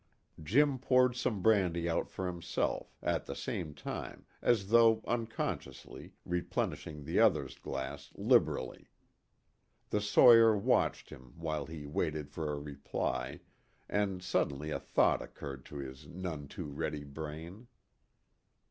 Jim poured some brandy out for himself, at the same time, as though unconsciously, replenishing the other's glass liberally. The sawyer watched him while he waited for a reply, and suddenly a thought occurred to his none too ready brain.